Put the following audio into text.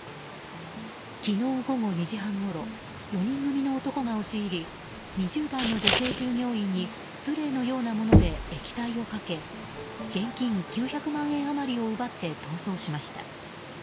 昨日午後２時半ごろ４人組の男が押し入り２０代の女性従業員にスプレーのようなもので液体をかけ現金９００万円余りを奪って逃走しました。